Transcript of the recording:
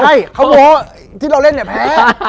ใช่เขาบอกว่าที่เราเล่นเนี่ยแพ้